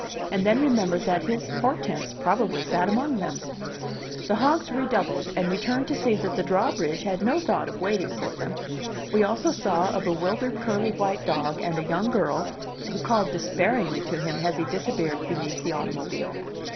and then remembered that his Hortense probably sat among them. The honks redoubled, and we turned to see that the drawbridge had no thought of waiting for them. We also saw a bewildered curly white dog and a young girl, who called despairingly to him as he disappeared beneath the automobile.